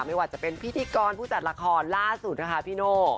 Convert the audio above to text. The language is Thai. ไม่ว่าจะเป็นพิธีกรผู้จัดละครล่าสุดนะคะพี่โน่